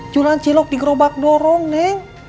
jualan cilok di gerobak dorong neng